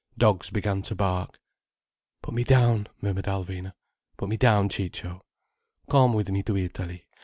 Dogs began to bark. "Put me down," murmured Alvina. "Put me down, Ciccio." "Come with me to Italy.